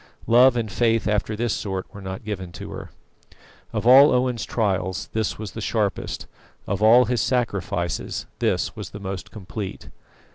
Love and faith after this sort were not given to her. Of all Owen's trials this was the sharpest. Of all his sacrifices this was the most complete.